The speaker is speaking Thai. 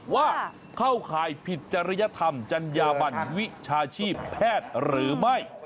ว่าเข้าข่ายผิดจริยธรรมจัญญาบันวิชาชีพแพทย์หรือไม่